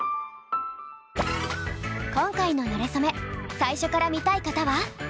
今回の「なれそめ」最初から見たい方は！